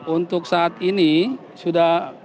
untuk saat ini sudah